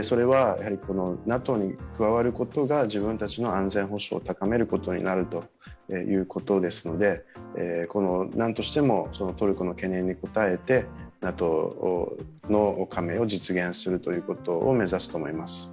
それは、ＮＡＴＯに加わることが自分たちの安全保障を高めることになるということですのでなんとしてもトルコの懸念に応えてＮＡＴＯの加盟を実現するということを目指すと思います。